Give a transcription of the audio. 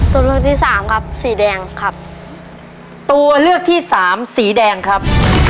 ตัวเลือกที่สามครับสีแดงครับตัวเลือกที่สามสีแดงครับ